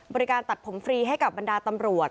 ตัดผมฟรีให้กับบรรดาตำรวจ